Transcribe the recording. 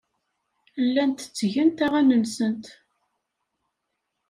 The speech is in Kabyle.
Llant ttgent aɣan-nsent.